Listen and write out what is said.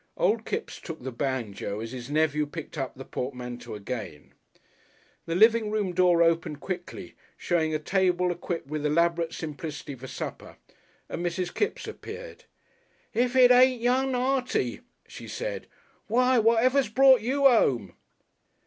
Old Kipps took the banjo as his nephew picked up the portmanteau again. The living room door opened quickly, showing a table equipped with elaborate simplicity for supper, and Mrs. Kipps appeared. "If it ain't young Artie," she said. "Why! Whatever's brought you 'ome?"